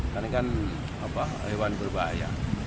karena kan apa hewan berbahaya